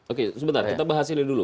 oke sebentar kita bahas ini dulu